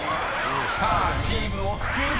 さあチームを救えるか？］